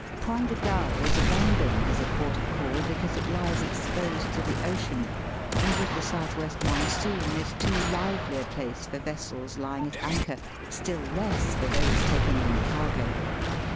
Point de Galle was abandoned as a port of call because it lies exposed to the ocean, and with the south west monsoon is too lively a place for vessels lying at anchor, still less for those taking in cargo.